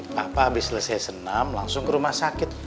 papa abis selesai senam langsung ke rumah sakit